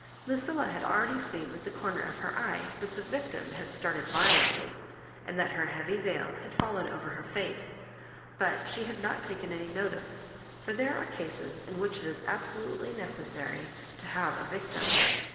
" Lucilla had already seen with the corner of her eye that the victim had started violently, and that her heavy veil had fallen over her face — but she had not taken any notice, for there are cases in which it is . absolutely necessary to have a victim.